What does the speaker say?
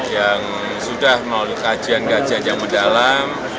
yang sudah melalui kajian kajian yang mendalam